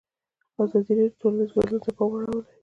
ازادي راډیو د ټولنیز بدلون ته پام اړولی.